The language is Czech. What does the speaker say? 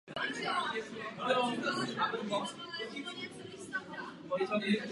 Tak byla vytvořena jakási hráz která způsobila zaplavení podmáčených luk mělkého údolí.